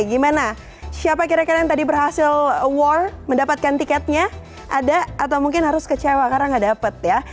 gimana siapa kira kira yang tadi berhasil awar mendapatkan tiketnya ada atau mungkin harus kecewa karena nggak dapat ya